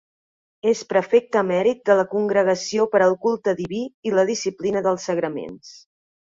És prefecte emèrit de la Congregació per al Culte Diví i la Disciplina dels Sagraments.